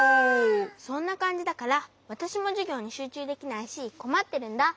そんなかんじだからわたしもじゅぎょうにしゅうちゅうできないしこまってるんだ。